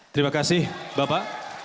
terima kasih bapak